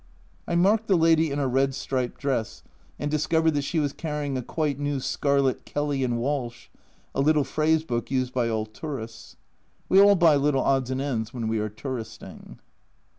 I marked the lady in a red striped dress, and discovered that she was carrying a quite new scarlet Kelly & Walsh (a little phrase book used by all tourists). We all buy little odds and ends when we are touristing.